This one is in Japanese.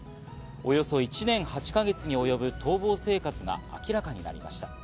およそ１年８か月にも及ぶ逃亡生活が明らかになりました。